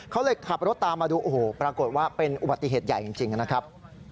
เขาเลยขับรถตามมาดูโอ้โหปรากฏว่าเป็นอุบัติเหตุใหญ่จริงนะครับ